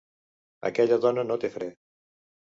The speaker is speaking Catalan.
Aquella dona no té fre.